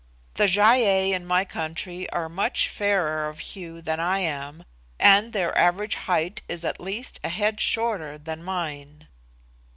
The Gy ei in my country are much fairer of hue than I am, and their average height is at least a head shorter than mine."